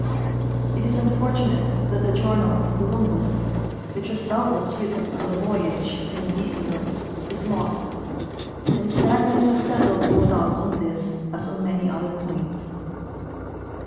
It is unfortunate that the journal of Co lumbus, which Avas doubtless written on the voyage and in detail, is lost, since that might have settled all doubts on this as on man 3^ other .points.